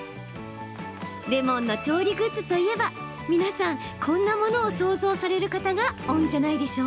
レモンの調理グッズといえば皆さん、こんなものを想像される方が多いのでは？